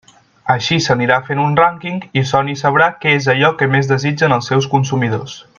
Així s'anirà fent un rànquing i Sony sabrà què és allò que més desitgen els seus consumidors.